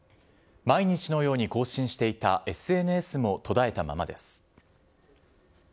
毎日のように更新していたＳＮＳも途絶えたままです。